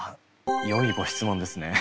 よいご質問ですね。